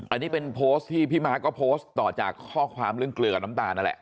อันนี้เป็นโพสต์ที่พี่ม้าก็โพสต์ต่อจากข้อความเรื่องเกลือกับน้ำตาลนั่นแหละ